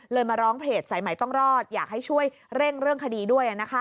มาร้องเพจสายใหม่ต้องรอดอยากให้ช่วยเร่งเรื่องคดีด้วย